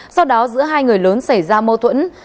sau đó giữa hai người lớn xảy ra mâu thuẫn